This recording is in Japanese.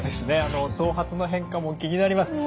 頭髪の変化も気になります。